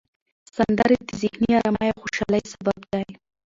سندرې د ذهني آرامۍ او خوشحالۍ سبب دي.